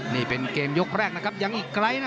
นี่เป็นเกมยกแรกนะครับยังอีกไกลนะ